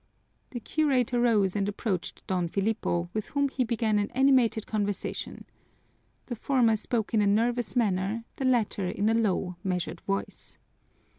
The curate arose and approached Don Filipo, with whom he began an animated conversation. The former spoke in a nervous manner, the latter in a low, measured voice.